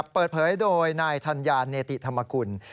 เปิดเผยโดยนายธัญญาเนติธรรมกุล